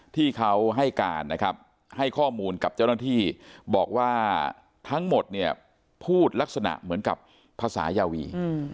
ที่เขาให้การนะครับให้ข้อมูลกับเจ้าหน้าที่บอกว่าทั้งหมดเนี่ยพูดลักษณะเหมือนกับภาษายาวี